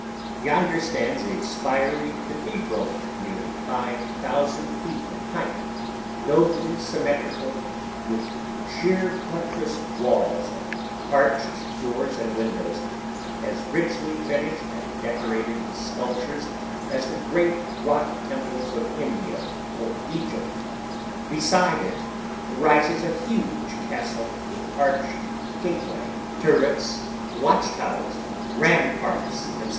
Yonder stands a spiry cathedral nearly five thousand feet in height, nobly symmetrical, with sheer buttressed walls and arched doors and windows, as richly finished and decorated with sculptures as the great rock temples of India or Egypt. Beside it rises a huge castle with arched gateway, turrets, watch towers, ramparts, etc.